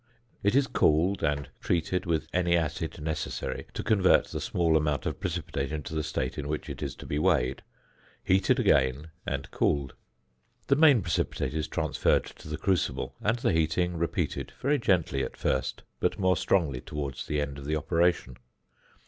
It is cooled, and treated with any acid necessary to convert the small amount of precipitate into the state in which it is to be weighed; heated again, and cooled. The main precipitate is transferred to the crucible, and the heating repeated very gently at first, but more strongly towards the end of the operation.